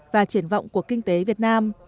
và triển vọng của kinh tế việt nam